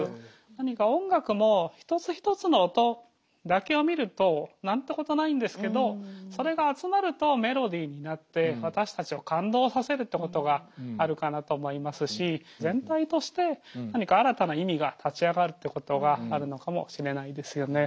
何か音楽も一つ一つの音だけを見ると何てことないんですけどそれが集まるとメロディーになって私たちを感動させるってことがあるかなと思いますしってことがあるのかもしれないですよね。